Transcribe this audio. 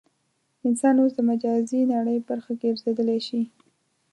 انسان اوس د مجازي نړۍ برخه ګرځېدلی دی.